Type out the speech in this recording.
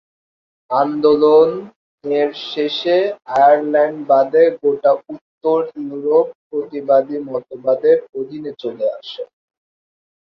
আন্দোলনের শেষে আয়ারল্যান্ড বাদে গোটা উত্তর ইউরোপ প্রতিবাদী মতবাদের অধীনে চলে আসে।